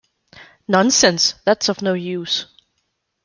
Nonsense; that's of no use.